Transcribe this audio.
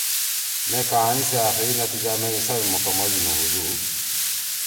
مے کہانی سی آخری نتیجہ مے حصہ می مکمل نہ ہُودُو۔